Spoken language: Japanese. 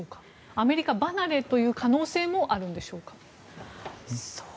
アメリカ離れという可能性もああるんでしょうか。